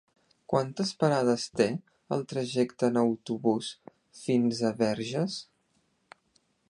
Quantes parades té el trajecte en autobús fins a Verges?